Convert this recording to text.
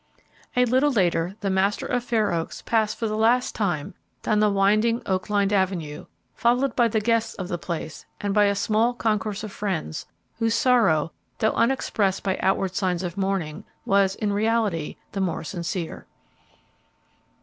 A little later the master of Fair Oaks passed for the last time down the winding, oak lined avenue, followed by the guests of the place and by a small concourse of friends, whose sorrow, though unexpressed by outward signs of mourning, was, in reality, the more sincere.